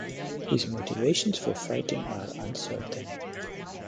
His motivations for fighting are uncertain.